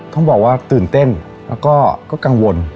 ต้องบอกว่าตื่นเต้นแล้วก็กังวล